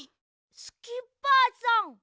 スキッパーさん！